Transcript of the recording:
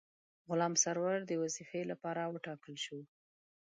غلام سرور د وظیفې لپاره وټاکل شو.